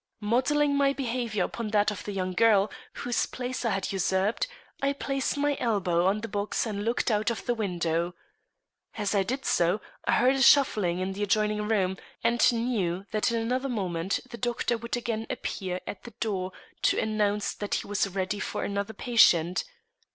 Modeling my behavior upon that of the young girl whose place I had usurped, I placed my elbow on the box and looked out of the window. As I did so I heard a shuffling in the adjoining room, and knew that in another moment the doctor would again appear at the door to announce that he was ready for another patient.